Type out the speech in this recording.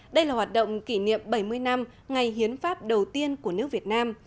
đây là hoạt động kỷ niệm bảy mươi năm ngày hiến pháp đầu tiên của nước việt nam